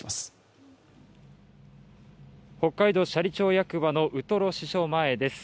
北海道斜里町役場のウトロ支所です。